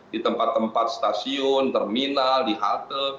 di tempat tempat stasiun terminal di halte